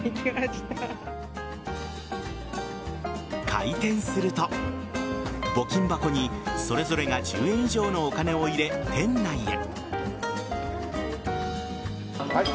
開店すると、募金箱にそれぞれが１０円以上のお金を入れ店内へ。